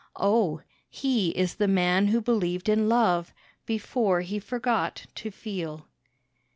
Oh! he is the man who believed in love Before he forgot to feel.